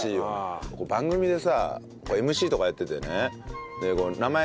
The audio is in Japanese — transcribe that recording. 番組でさＭＣとかやっててね名前